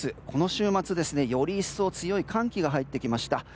この週末、より一層強い寒気が入ってきました。